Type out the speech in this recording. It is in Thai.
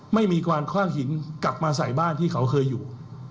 ไม่มีการคว่างหินกลับมาใส่บ้านที่เขาเคยอยู่